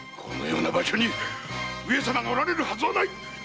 このような場所に上様がおられるはずはない！